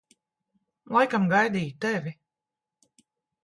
Laikam gaidīju tevi.